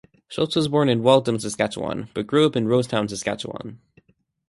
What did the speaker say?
Schultz was born in Waldheim, Saskatchewan, but grew up in Rosetown, Saskatchewan.